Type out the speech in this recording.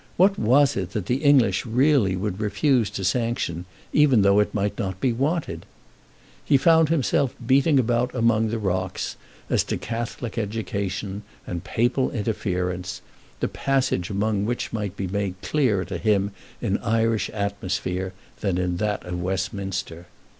What was it that the English really would refuse to sanction, even though it might not be wanted? He found himself beating about among rocks as to Catholic education and Papal interference, the passage among which might be made clearer to him in Irish atmosphere than in that of Westminster.